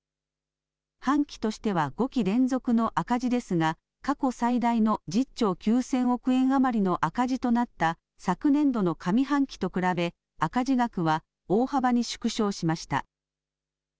半期としては５期連続の赤字ですが過去最大の１０兆９０００億円余りの赤字となった昨年度の上半期と比べ赤字額は大幅に縮小しました。